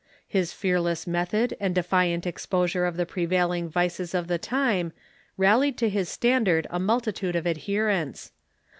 His fearless method and defiant exjDOsure of the prevailing vices of the time rallied to his standard a multitude of adherents.